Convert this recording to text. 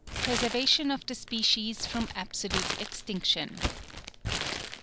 PRESERVATION OF THE SPECIES FROM ABSOLUTE EXTINCTION.